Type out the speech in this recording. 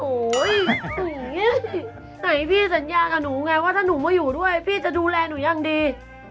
ไหนพี่สัญญากับหนูไงว่าถ้าหนูมาอยู่ด้วยพี่จะดูแลหนูอย่างดี